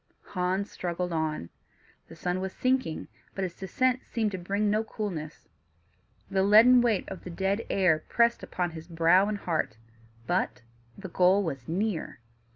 Hans struggled on. The sun was sinking, but its descent seemed to bring no coolness; the leaden weight of the dead air pressed upon his brow and heart, but the goal was near.